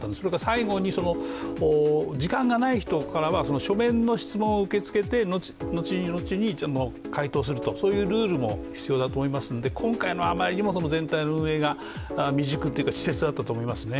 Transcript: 最後に時間がない人からは、書面の質問を受け付けて、後々に回答するというそういうルールも必要だと思いますんで今回はあまりにも全体の運営が未熟というか、稚拙だったと思いますね。